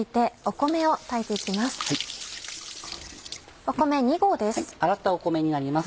米２合です。